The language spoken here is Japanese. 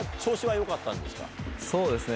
そうですね